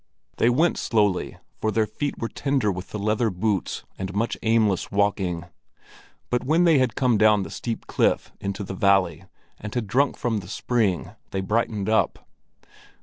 They went slowly, for their feet were tender with the leather boots and much aimless walking; but when they had come down the steep cliff into the valley and had drunk from the spring, they brightened up.